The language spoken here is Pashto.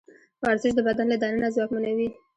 ورزش د بدن له دننه ځواکمنوي.